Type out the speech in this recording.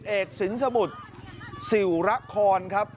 เอกสินสมุทรสิวระคอนครับ